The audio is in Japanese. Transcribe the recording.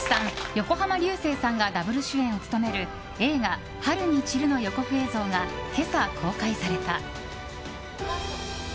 横浜流星さんがダブル主演を務める映画「春に散る」の予告映像が今朝、公開された。